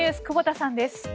久保田さんです。